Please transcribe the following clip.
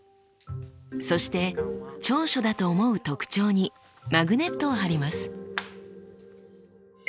そして長所だと思う特徴にマグネットを貼ります。